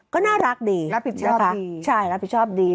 ก็น่ารักดีรับผิดชอบดี